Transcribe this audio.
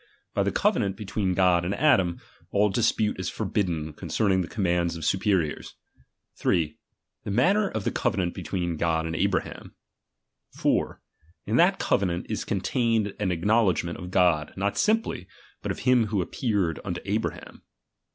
By the covenant betweea God and Adam, all dispute is forbidden concerning the com mands of superiors. 3. The manner of the covenant between God and Abraham, i. In that covenant is contained an ac knowledgment uf God, not simply, but of him who appeared unto Abraham.